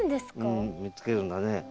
うん見つけるんだね。